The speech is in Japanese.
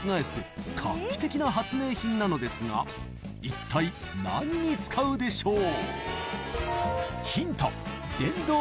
画期的な発明品なのですが一体何に使うでしょう？